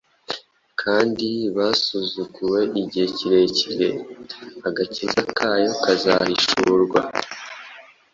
kandi basuzuguwe igihe kirekire, agakiza kayo kazahishurwa.